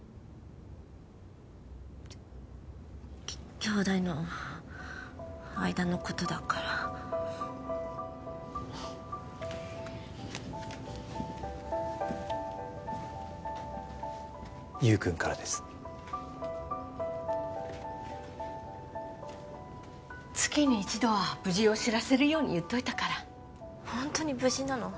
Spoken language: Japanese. きょうだいの間のことだから優くんからです月に一度は無事を知らせるように言っといたからホントに無事なの？